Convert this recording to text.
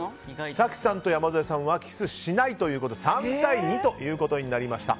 早紀さんと山添さんはキスしないということで３対２ということになりました。